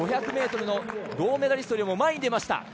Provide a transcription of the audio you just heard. ５００メートルの銅メダリストよりも前に出ました。